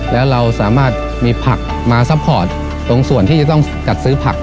แล้วเราสามารถมีผักมาซัพพอร์ตตรงส่วนที่จะต้องจัดซื้อผัก